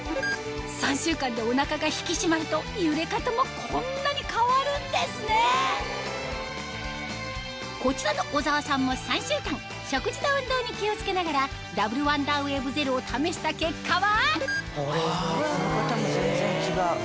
３週間でお腹が引き締まると揺れ方もこんなに変わるんですねこちらの小沢さんも３週間食事と運動に気を付けながらダブルワンダーウェーブゼロを試した結果はこの方も全然違う。